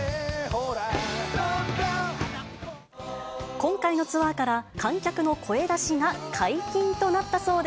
今回のツアーから観客の声出しが解禁となったそうで。